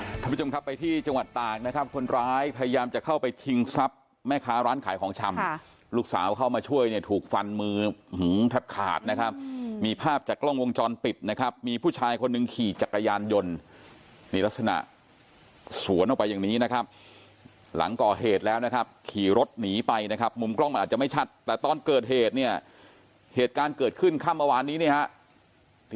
ท่านผู้ชมครับไปที่จังหวัดตากนะครับคนร้ายพยายามจะเข้าไปทิ้งทรัพย์แม่ค้าร้านขายของช่ำค่ะลูกสาวเข้ามาช่วยเนี่ยถูกฟันมือหูทับขาดนะครับมีภาพจากกล้องวงจรปิดนะครับมีผู้ชายคนหนึ่งขี่จักรยานยนต์มีลักษณะสวนออกไปอย่างนี้นะครับหลังก่อเหตุแล้วนะครับขี่รถหนีไปนะครับมุมกล้องอาจจะไม่ชัดแต่ต